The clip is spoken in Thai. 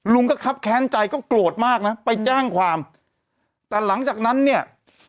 ครับแค้นใจก็โกรธมากนะไปแจ้งความแต่หลังจากนั้นเนี่ย